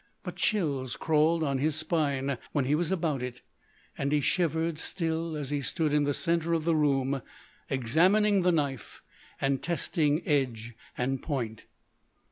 But chills crawled on his spine while he was about it, and he shivered still as he stood in the centre of the room examining the knife and testing edge and point.